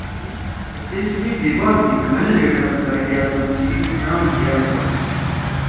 تیس کے بھی بعد بھی گھن لیڈر (قائد اعظم) سی نام دیا گیا